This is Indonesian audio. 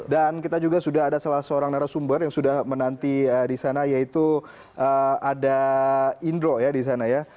dan kita juga sudah ada salah seorang narasumber yang sudah menanti disana yaitu ada indro ya disana ya